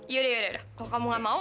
yaudah kalau kamu nggak mau